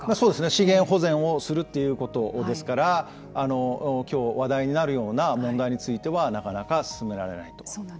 資源保全をするということですからきょう話題になるような問題についてはなかなか進められないと。